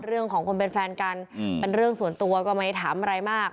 เรื่องของคนเป็นแฟนกันเป็นเรื่องส่วนตัวก็ไม่ได้ถามอะไรมาก